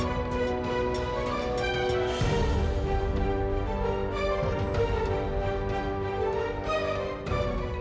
lebih baik kita bercerai